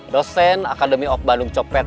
dosen akademi ok bandung copet